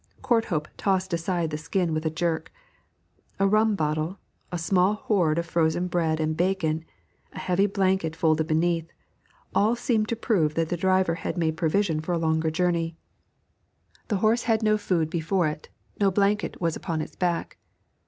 Courthope tossed aside the skin with a jerk. A rum bottle, a small hoard of frozen bread and bacon, a heavy blanket folded beneath, all seemed to prove that the driver had made provision for a longer journey. The horse had no food before it; no blanket was upon its back.